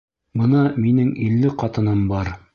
Бына минең илле ҡатыным бар.